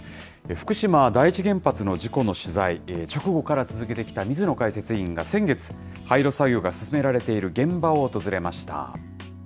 福島第一原発の事故の取材、直後から続けてきた水野解説委員が先月、廃炉作業が進められている現場を訪れました。